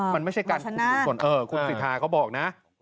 มันไม่ใช่การคุมชุมชนคุณสิทธาเขาบอกนะ